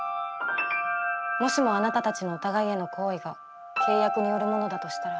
もしもあなたたちのお互いへの好意が契約によるものだとしたら。